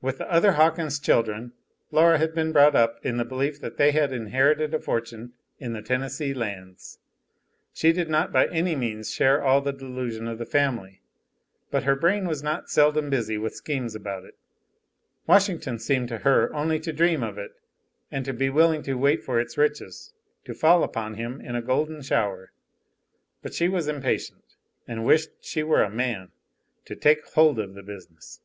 With the other Hawkins children Laura had been brought up in the belief that they had inherited a fortune in the Tennessee Lands. She did not by any means share all the delusion of the family; but her brain was not seldom busy with schemes about it. Washington seemed to her only to dream of it and to be willing to wait for its riches to fall upon him in a golden shower; but she was impatient, and wished she were a man to take hold of the business.